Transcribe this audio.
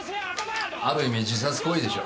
ある意味自殺行為でしょう。